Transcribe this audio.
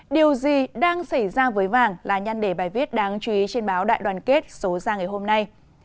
điều gì đang xảy ra với vàng là nhan đề bài viết đáng chú ý trên báo đại đoàn kết số ra ngày hôm nay